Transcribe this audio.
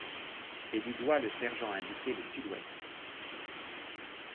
Et du doigt le sergent indiquait le sud-ouest.